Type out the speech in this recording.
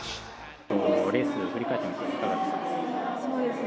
レース振り返ってみていかがですか。